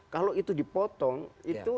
kalau itu dipotong itu